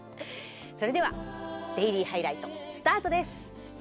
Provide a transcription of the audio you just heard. それでは「デイリーハイライト」スタートです。